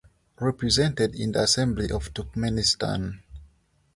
Represented in the Assembly of Turkmenistan.